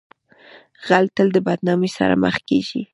غل تل د بدنامۍ سره مخ کیږي